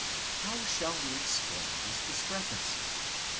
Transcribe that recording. How shall we explain this discrepancy?